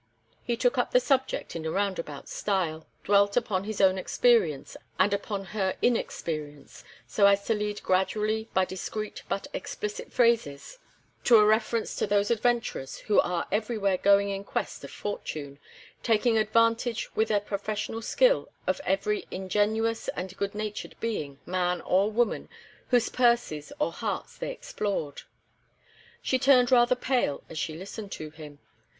He took up the subject in a roundabout style, dwelt upon his own experience, and upon her inexperience, so as to lead gradually by discreet but explicit phrases to a reference to those adventurers who are everywhere going in quest of fortune, taking advantage with their professional skill of every ingenuous and good natured being, man or woman, whose purses or hearts they explored. She turned rather pale as she listened to him.